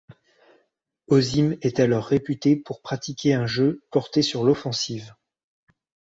Osim est alors réputé pour pratiquer un jeu porté sur l’offensive.